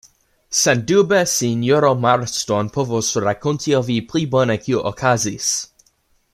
Sendube sinjoro Marston povos rakonti al vi pli bone, kio okazis.